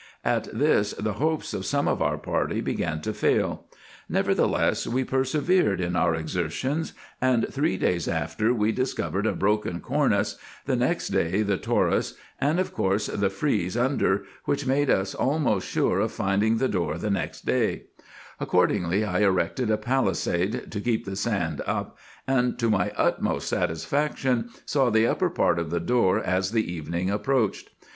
At this the hopes of some of our party began to fail ; nevertheless we IN EGYPT, NUBIA, &c 211 persevered in our exertions, and three days after we discovered a broken cornice, the next day the torus, and of course the frize under, which made us almost sure of finding the door the next day ; accordingly I erected a palisade, to keep the sand up, and to my utmost satisfaction saw the upper part of the door as the evening approached.